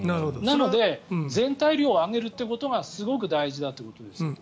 なので全体量を上げることがすごく大事だということです。